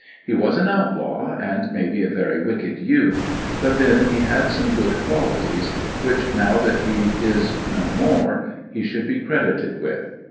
He was an outlaw and maybe a very wicked youth, but then he had some good qualities which, now that he is no more, he should be credited with.